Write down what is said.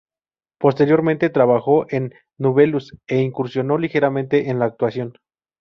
Posteriormente, trabajó en "Nubeluz" e incursionó ligeramente en la actuación.